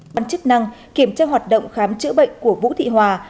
bản chức năng kiểm tra hoạt động khám chữa bệnh của vũ thị hòa